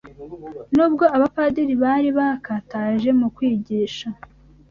N’ubwo abapadiri bari bakataje mu kwigisha